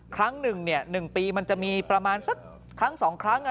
ครั้งหนึ่ง๑ปีมันจะมีประมาณสักครั้ง๒ครั้ง